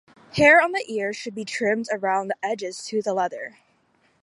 Hair on the ears should be trimmed around the edges to the leather.